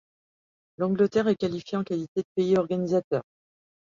L'Angleterre est qualifiée en qualité de pays organisateur.